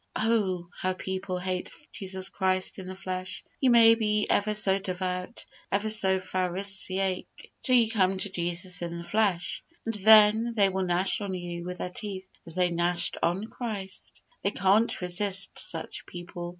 Oh! how people hate Jesus Christ in the flesh. You may be ever so devout, ever so Pharisaic, till you come to Jesus in the flesh, and then they will gnash on you with their teeth as they gnashed on Christ. They can't resist such people.